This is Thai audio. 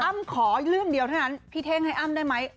ขอเรื่องเดียวเท่านั้นพี่เท่งให้อ้ำได้ไหม